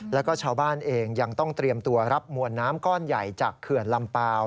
แล้วก็ชาวบ้านเองยังต้องเตรียมตัวรับมวลน้ำก้อนใหญ่จากเขื่อนลำเปล่า